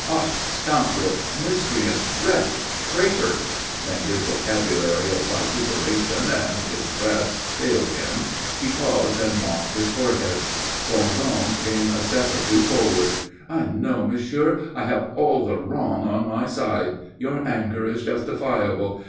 "Ah, scoundrel! Miscreant! Wretch! Traitor!" When his vocabulary of vituperation and his breath failed him, he paused and mopped his forehead. Bondon came a step or two forward. "I know, monsieur, I have all the wrong on my side. Your anger is justifiable.